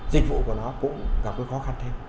dịch vụ của nó cũng gặp cái khó khăn thêm